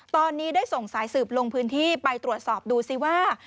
ตอนนี้ได้ส่งสายสืบลงพื้นที่ไปตรวจสอบดูซิว่า